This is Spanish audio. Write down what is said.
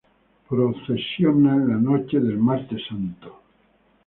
Procesiona en la noche del Martes Santo.